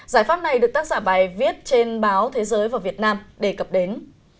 giải pháp này được tác giả bài viết trên báo thế giới và việt nam đề cập đến